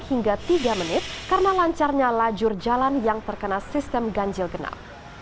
hingga tiga menit karena lancarnya lajur jalan yang terkena sistem ganjil genap